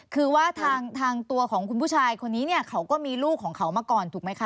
คือว่าทางตัวของคุณผู้ชายคนนี้เนี่ยเขาก็มีลูกของเขามาก่อนถูกไหมคะ